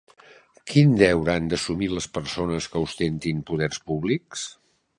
Quin deure han d'assumir les persones que ostentin poders públics?